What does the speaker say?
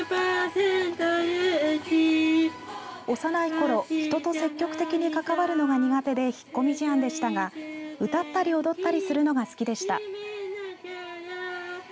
幼いころ人と積極的に関わるのが苦手で引っ込み思案でしたが、歌ったり踊ったりするのが好きでした。